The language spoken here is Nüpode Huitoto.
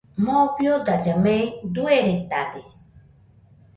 Moo fiodailla mei dueredade